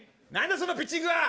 そのピッチングは。